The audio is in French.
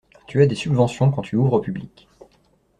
Tu as des subventions quand tu ouvres au public.